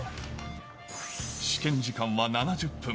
試験時間は７０分。